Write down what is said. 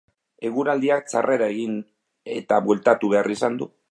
Eguraldiak txarrera egin eta bueltatu behar izan du.